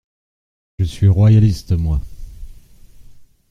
Je suis royaliste, moi !